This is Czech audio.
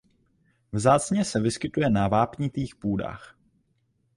Vzácně se vyskytuje na vápnitých půdách.